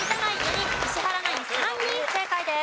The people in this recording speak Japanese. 人石原ナイン３人正解です。